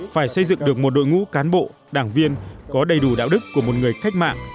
phải xây dựng được một đội ngũ cán bộ đảng viên có đầy đủ đạo đức của một người cách mạng